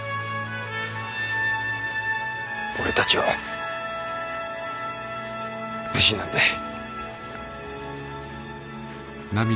俺たちは武士なんだい。